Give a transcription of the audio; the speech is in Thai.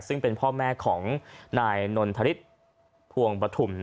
ซึ่งเป็นพ่อแม่ของนายนนทริสพวงปฐุม